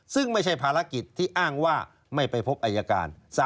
ซึ่งไม่ใช่ภารกิจที่อ้างว่าไม่ไปพบอายการ